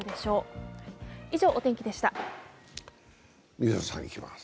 水野さんいきます。